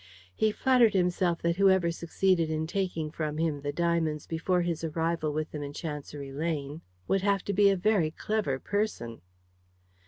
He flattered himself that whoever succeeded in taking from him the diamonds before his arrival with them in Chancery Lane, would have to be a very clever person.